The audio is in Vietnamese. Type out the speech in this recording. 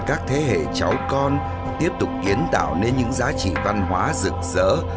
cháu con tiếp tục kiến tạo nên những giá trị văn hóa rực rỡ